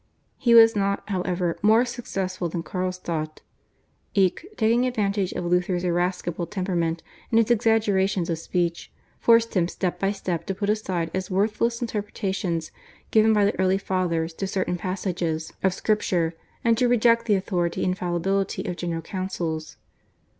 He was not, however, more successful than Carlstadt. Eck, taking advantage of Luther's irascible temperament and his exaggerations of speech, forced him step by step to put aside as worthless interpretations given by the early Fathers to certain passages of Scripture, and to reject the authority and infallibility of General Councils.